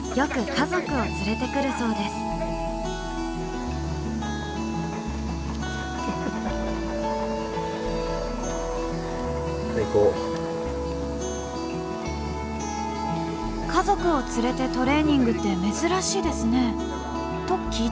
「家族を連れてトレーニングって珍しいですね」と聞いてみると。